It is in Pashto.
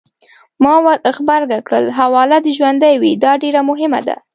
ما ورغبرګه کړل: حواله دې ژوندۍ وي! دا ډېره مهمه ده.